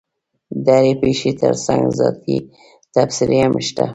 د هرې پېښې ترڅنګ ذاتي تبصرې هم شته.